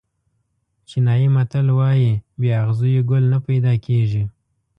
چینایي متل وایي بې اغزیو ګل نه پیدا کېږي.